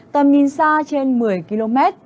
tầm nhìn xa trên một mươi km